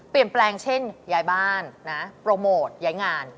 เปลี่ยนแปลงเช่นย้ายบ้านนะโปรโมทย้ายงาน